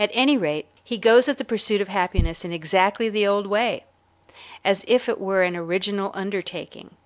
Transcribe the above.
At any rate, he goes at the pursuit of happiness in exactly the old way, as if it were an original undertaking.